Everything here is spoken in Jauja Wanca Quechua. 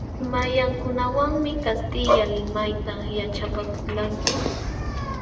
¿Mayqankunawanmi kastilla limayta yaćhapakulqanki?